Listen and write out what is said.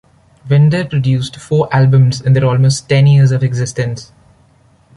Windir produced four albums in their almost ten years of existence.